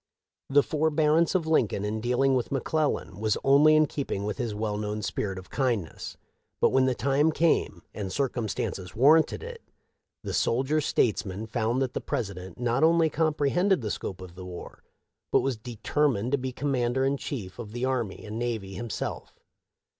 The forbearance of Lincoln in dealing with McClellan was only in keeping with his well known spirit of kindness ; but, when the time came and circumstances warranted it, the soldier states man found that the President not only compre hended the scope of the war, but was determined to be commander in chief of the army and navy himself.